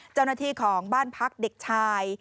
เจ้าหน้าที่ของบ้านพักเด็กชาย